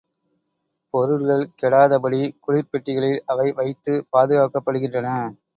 பொருள்கள் கெடாதபடி குளிர்ப் பெட்டிகளில் அவை வைத்துப் பாதுகாக்கப்படுகின்றன.